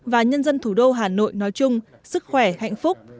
và nhân dân thủ đô hà nội nói chung sức khỏe hạnh phúc